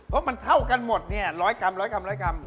เพราะมันเท่ากันหมดเนี่ย๑๐๐กรัม๑๐๐กรัม๑๐๐กรัม